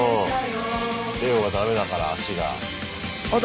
レオがダメだから足が。